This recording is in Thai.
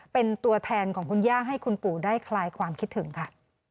เป็นตัวแทนของคุณย่าให้คุณปู่ได้คลายความคิดถึงค่ะ